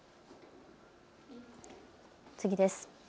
次です。